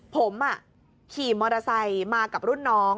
ผมขี่มอเตอร์ไซค์มากับรุ่นน้อง